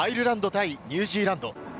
対ニュージーランド。